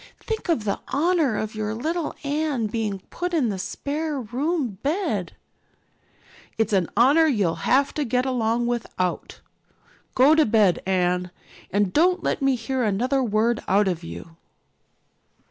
Think of the honor of your little Anne being put in the spare room bed." "It's an honor you'll have to get along without. Go to bed, Anne, and don't let me hear another word out of you."